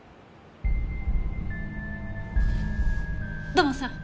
土門さん。